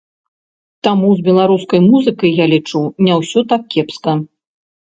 Таму з беларускай музыкай, я лічу, не ўсё так кепска.